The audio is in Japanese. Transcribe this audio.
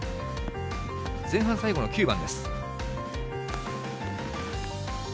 前半最後の９番です。